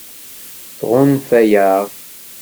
Tɣunfa-aɣ?